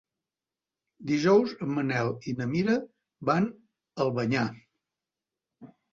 Dijous en Manel i na Mira van a Albanyà.